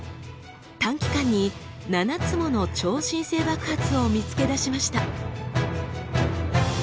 短期間に７つもの超新星爆発を見つけ出しました。